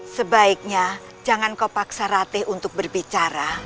sebaiknya jangan kau paksa ratih untuk berbicara